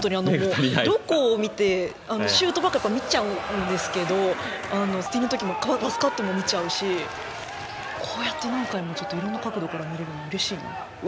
どこを見て、シュートを見ちゃうんですけどスチールのときのパスカットも見ちゃうしこうやって、何回もいろんな角度から見れるのうれしいな。